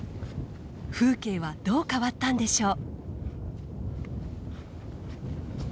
風景はどう変わったんでしょう。